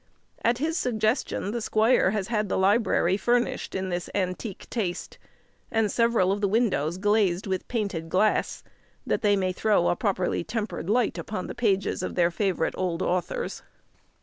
At his suggestion, the squire has had the library furnished in this antique taste, and several of the windows glazed with painted glass, that they may throw a properly tempered light upon the pages of their favourite old authors.